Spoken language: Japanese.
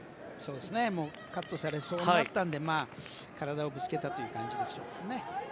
カットされそうになったので体をぶつけたという感じでしょうかね。